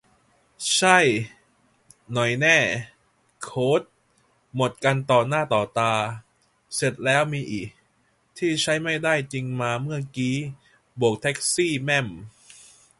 ใช่ หน่อยแน่ โค้ด หมดกันต่อหน้าต่อตา เสร็จแล้วมีอิ ที่ใช้ไม่ได้จริงมา เมื่อกี้โบกแท็กซี่แม่ม